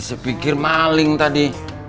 sepikir maling tadi